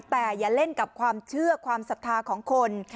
แต่อย่าเล่นกับความเชื่อความศรัทธาของคน